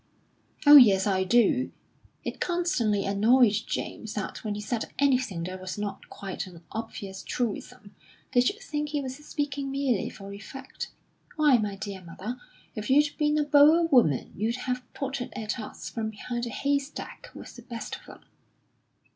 "Oh, yes, I do." It constantly annoyed James that when he said anything that was not quite an obvious truism, they should think he was speaking merely for effect. "Why, my dear mother, if you'd been a Boer woman you'd have potted at us from behind a haystack with the best of them."